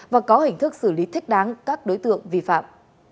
và có hình thức xử lý thích đáng các đối tượng vi phạm